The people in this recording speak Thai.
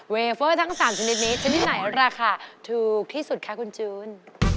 เฟเฟอร์ทั้ง๓ชนิดนี้ชนิดไหนราคาถูกที่สุดคะคุณจูน